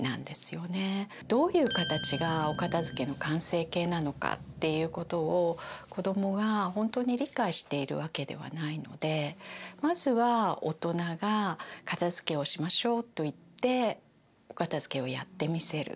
どういう形がお片づけの完成形なのかっていうことを子どもが本当に理解しているわけではないのでまずは大人が「片づけをしましょう」と言ってお片づけをやってみせる。